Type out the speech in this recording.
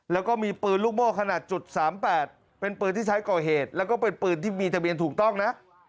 แล้วก็มีปืนลูกโม่ขนาด๓๘เป็นปืนที่ใช้ก่อเหตุแล้วก็เป็นปืนที่มีทะเบียนถูกต้องนะ